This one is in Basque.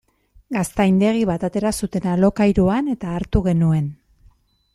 Gaztandegi bat atera zuten alokairuan eta hartu genuen.